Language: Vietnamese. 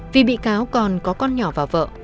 vì bị cáo còn có con nhỏ và vợ